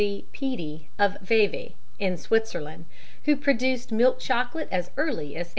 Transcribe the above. D. Peter of Vevey, in Switzerland, who produced milk chocolate as early as 1876.